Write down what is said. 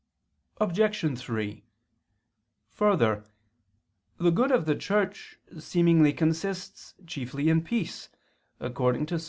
Obj. 3: Further, the good of the Church seemingly consists chiefly in peace, according to Ps.